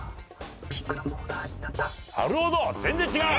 なるほど全然違う。